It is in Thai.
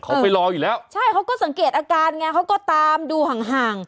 เขาไปรออยู่แล้วใช่เขาก็สังเกตอาการไงเขาก็ตามดูห่างห่าง